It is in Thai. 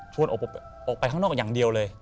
ออกไปข้างนอกอย่างเดียวเลย